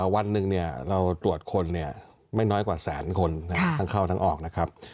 วันหนึ่งเราตรวจคนไม่น้อยกว่าแสนคนทั้งเข้าทั้งออกนะครับ